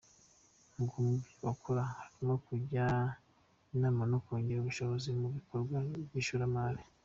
Ngo mu byo bakora harimo kujya inama no kongera ubushobozi mu bikorwa by’ishoramari.